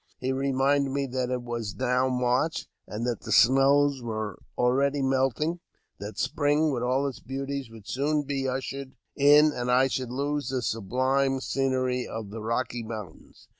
He reminded me that it was now March, and the snows were already melt ing ; that Spring, with all its beauties, would soon be ushered in, and I should lose the subUme scenery of the Eocky Moun tains.